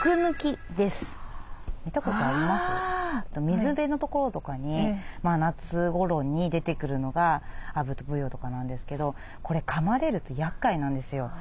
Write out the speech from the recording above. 水辺の所とかに夏ごろに出てくるのがアブとブヨとかなんですけどこれかまれるとやっかいなんですよ。